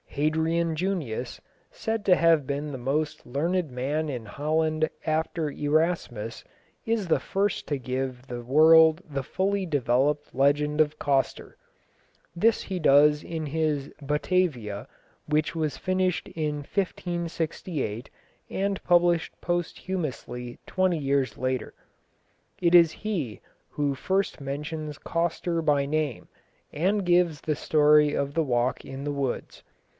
Hadrian Junius, said to have been the most learned man in Holland after Erasmus, is the first to give to the world the fully developed legend of Coster. This he does in his Batavia, which was finished in 1568 and published posthumously twenty years later. It is he who first mentions Coster by name, and gives the story of the walk in the woods.